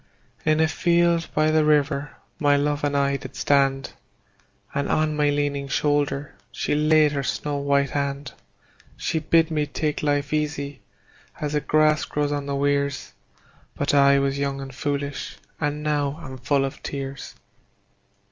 In a field by the river my love and I did stand, And on my leaning shoulder she laid her snow white hand. She bid me take life easy, as the grass grows on the weirs; But I was young and foolish, and now am full of tears.